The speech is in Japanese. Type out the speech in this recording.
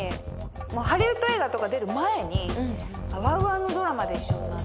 ハリウッド映画とか出る前にＷＯＷＯＷのドラマで一緒になって。